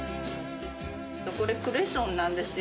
これクレソンなんですよ。